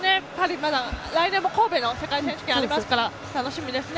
来年も神戸で世界選手権があるので楽しみですね。